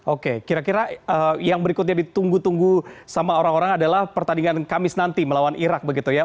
oke kira kira yang berikutnya ditunggu tunggu sama orang orang adalah pertandingan kamis nanti melawan irak begitu ya